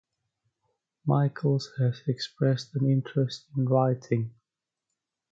Michaels has expressed an interest in writing.